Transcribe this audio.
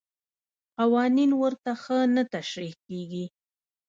قوانین ورته ښه نه تشریح کېږي.